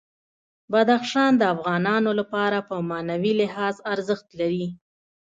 بدخشان د افغانانو لپاره په معنوي لحاظ ارزښت لري.